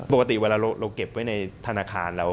ปกติเวลาเราเก็บไว้ในธนาคารเรา